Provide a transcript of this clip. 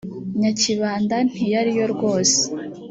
nyakibanda ntiyari yo rwose